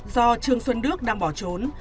do trương xuân đước đang bỏ trốn